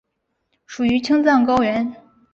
属于青藏高原。